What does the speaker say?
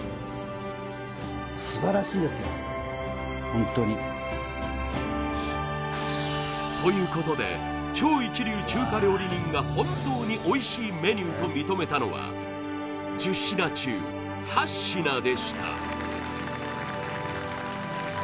ホントにはい池田さんはじめ田中さん米田さんということで超一流中華料理人が本当においしいメニューと認めたのは１０品中８品でした